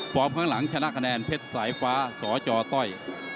พร้อมข้างหลังชนะคะแนนเผ็ดสายฟ้าสอจอต้อย